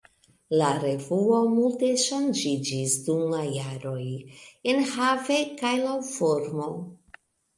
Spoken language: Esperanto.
La revuo multe ŝanĝiĝis dum la jaroj enhave kaj laŭ formo.